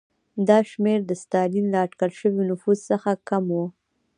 دا شمېر د ستالین له اټکل شوي نفوس څخه کم و.